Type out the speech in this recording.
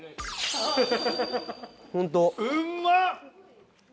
ホント。